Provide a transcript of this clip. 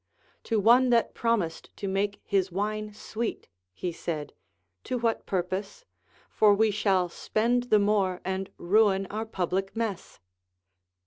To one that promised to make his Avine sweet he said. To Avhat purpose I for we shall spend the more, and ruin our public mess.